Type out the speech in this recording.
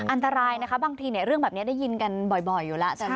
อันตรายนะคะบางทีเรื่องแบบนี้ได้ยินกันบ่อยอยู่แล้ว